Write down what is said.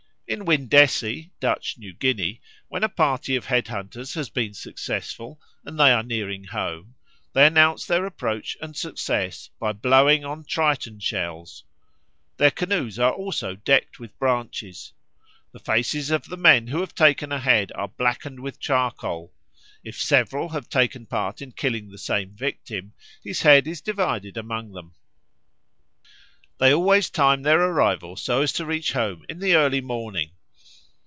In Windessi, Dutch New Guinea, when a party of head hunters has been successful, and they are nearing home, they announce their approach and success by blowing on triton shells. Their canoes are also decked with branches. The faces of the men who have taken a head are blackened with charcoal. If several have taken part in killing the same victim, his head is divided among them. They always time their arrival so as to reach home in the early morning.